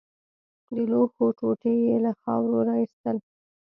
د لوښو ټوټې يې له خاورو راايستل.